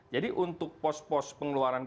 jadi untuk pos pos pengeluaran